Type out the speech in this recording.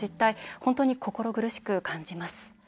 本当に心苦しく感じます。